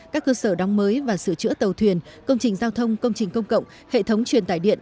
các cơ sở đóng mới và sửa chữa tàu thuyền công trình giao thông công trình công cộng hệ thống truyền tải điện